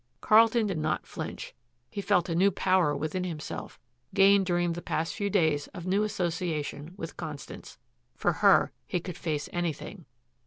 Carlton did not flinch. He felt a new power within himself, gained during the past few days of new association with Constance. For her he could face anything.